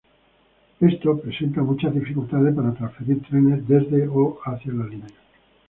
Esto presenta muchas dificultades para transferir trenes desde o hacia la línea.